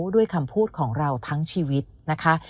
ด้วยคำพูดของเราทั้งชีวิตนะคะ